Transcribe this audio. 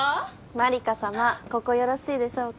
麻里香さまここよろしいでしょうか？